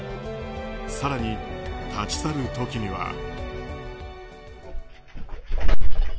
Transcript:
更に、立ち去る時には。